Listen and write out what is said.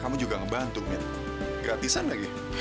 kamu lagi di mana